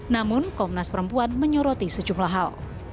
namun komnas perempuan menyoroti sejumlah hal